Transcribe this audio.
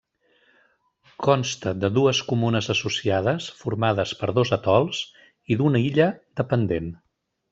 Consta de dues comunes associades formades per dos atols, i d'una illa dependent.